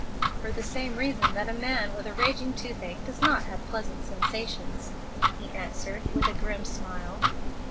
"For the same reason that a man with a raging toothache does not have pleasant sensations," he answered, with a grim smile.